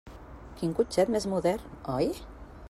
Quin cotxet més modern, oi?